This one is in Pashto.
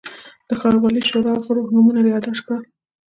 د ښاروالۍ شورا غړو نومونه یاداشت کړل.